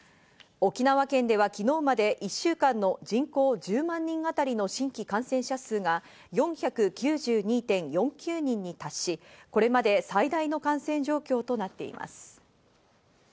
沖縄県では昨日まで１週間の人口１０万人あたりの新規感染者数が４９２．４９人に達し、これまで最大の感染状況となっています。